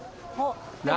何？